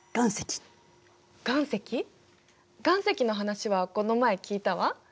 岩石の話はこの前聞いたわ。